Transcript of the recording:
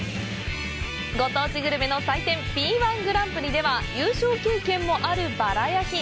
ご当地グルメの祭典“Ｂ−１グランプリ”では優勝経験もあるバラ焼き。